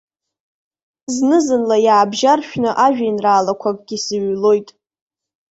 Зны-зынла иаабжьаршәны ажәеинраалақәакгьы зыҩлоит.